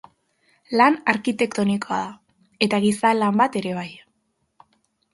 Lan arkitektonikoa da, eta giza lan bat ere bai.